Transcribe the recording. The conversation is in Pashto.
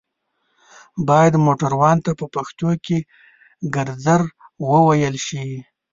بايد موټروان ته په پښتو کې ګرځر ووئيل شي